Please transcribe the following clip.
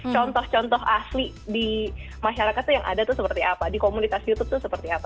contoh contoh asli di masyarakat itu yang ada tuh seperti apa di komunitas youtube itu seperti apa